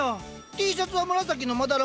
Ｔシャツは紫のまだら模様？